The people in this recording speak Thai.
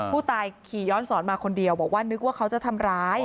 ขี่ย้อนสอนมาคนเดียวบอกว่านึกว่าเขาจะทำร้าย